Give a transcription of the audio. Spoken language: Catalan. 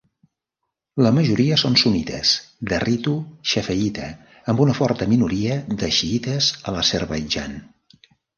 La majoria són sunnites de ritu xafiïta, amb una forta minoria de xiïtes a l'Azerbaidjan.